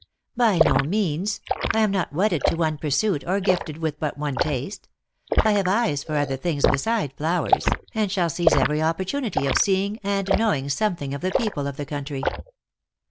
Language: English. " By no means. I am not wedded to one pursuit, or gifted with but one taste. I have eyes for other things beside flowers, and shall seize every opportu nity of seeing and knowing something of the people of the country."